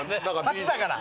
初だから。